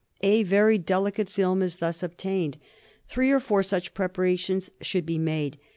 A very delicate film is thus obtained. Three or four such preparations should be made.